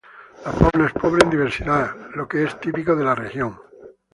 La fauna es pobre en diversidad, el que es típico de la región.